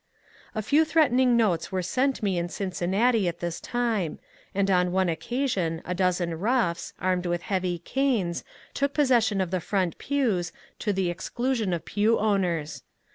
A few threatening notes were sent me in Cincinnati at this time, and on one occasion a dozen roughs, armed with heavy canes, took possession of the front pews, to the exclusion of pew owners.